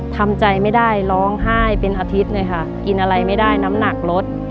ทำใจไม่ได้ร้องไห้เป็นอาทิตย์เลยค่ะกินอะไรไม่ได้น้ำหนักลด